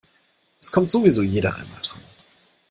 Es kommt sowieso jeder einmal dran.